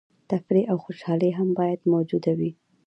تفریح او خوشحالي هم باید موجوده وي.